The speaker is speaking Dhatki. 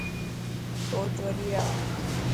سوچ وڏي رک.